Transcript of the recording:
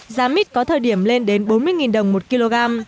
giá mít có thời điểm lên đến bốn mươi đồng một kg